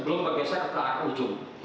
belum bergeser ke arah ujung